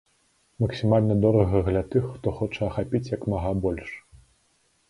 Максімальна дорага для тых, хто хоча ахапіць як мага больш.